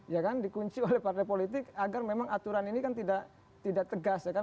ya kan dikunci oleh partai politik agar memang aturan ini kan tidak tegas ya kan